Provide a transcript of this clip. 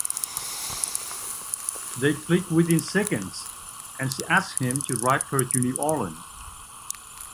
They click within seconds and she asks him to drive her to New Orleans.